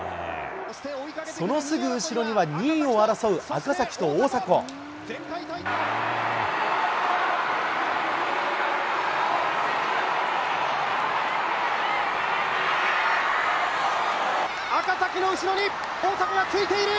そのすぐ後ろには、２位を争う赤赤崎の後ろに大迫がついている。